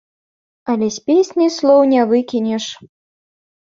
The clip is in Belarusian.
Але з песні слоў не выкінеш.